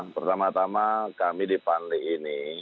pertama tama kami dipandai ini